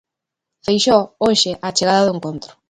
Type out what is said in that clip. Feixóo, hoxe, á chegada do encontro.